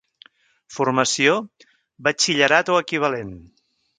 Formació: batxillerat o equivalent.